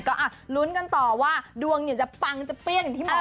ก็ลุ้นกันต่อว่าดวงจะปังจะเปรี้ยงอย่างที่บอก